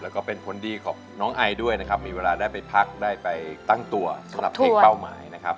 แล้วก็เป็นผลดีของน้องไอด้วยนะครับมีเวลาได้ไปพักได้ไปตั้งตัวสำหรับเพลงเป้าหมายนะครับ